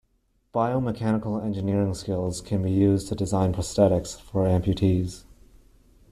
Bio-mechanical engineering skills can be used to design prosthetics for amputees.